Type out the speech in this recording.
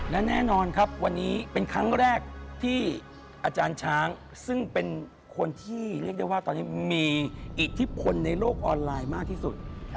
และแน่นอนครับวันนี้เป็นครั้งแรกที่อาจารย์ช้างซึ่งเป็นคนที่เรียกได้ว่าตอนนี้มีอิทธิพลในโลกออนไลน์มากที่สุด